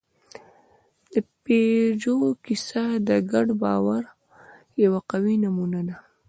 د پيژو کیسه د ګډ باور یوه قوي نمونه ده.